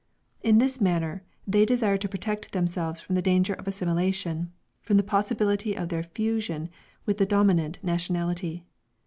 In this manner they desire to protect themselves from the danger of assimilation, from the possibility of their fusion with the dominant nationality.